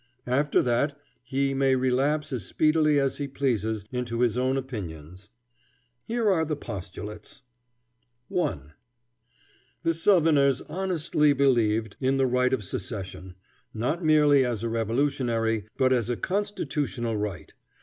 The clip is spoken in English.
After that he may relapse as speedily as he pleases into his own opinions. Here are the postulates: 1. The Southerners honestly believed in the right of secession, not merely as a revolutionary, but as a constitutional right.